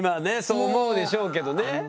そう思うでしょうけどね。